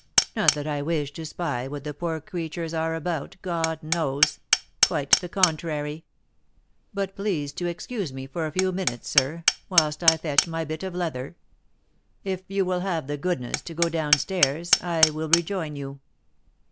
Not that I wish to spy what the poor creatures are about, God knows, quite the contrary. But please to excuse me for a few minutes, sir, whilst I fetch my bit of leather. If you will have the goodness to go down stairs, I will rejoin you."